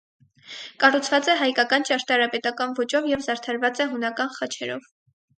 Կառուցված է հայկական ճարտարապետական ոճով և զարդարված է հունական խաչերով։